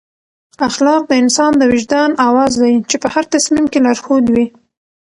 اخلاق د انسان د وجدان اواز دی چې په هر تصمیم کې لارښود وي.